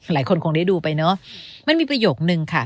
หลายคนคงได้ดูไปเนอะมันมีประโยคนึงค่ะ